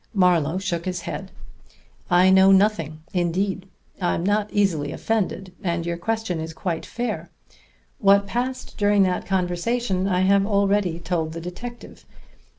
Marlowe shook his head. "I know nothing, indeed. I'm not easily offended, and your question is quite fair. What passed during that conversation I have already told the detective.